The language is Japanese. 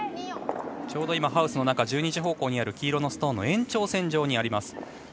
ちょうどハウスの中１２時方向にある黄色のストーンの延長線上にあります。